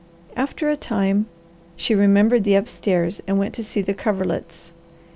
After a time she remembered the upstairs and went to see the coverlets.